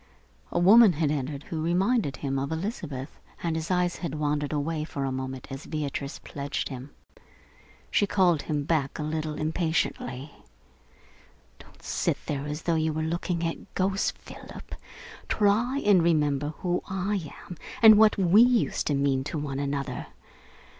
A woman had entered who reminded him of Elizabeth, and his eyes had wandered away for a moment as Beatrice pledged him. She called him back a little impatiently. "Don't sit there as though you were looking at ghosts, Philip! Try and remember who I am and what we used to mean to one another.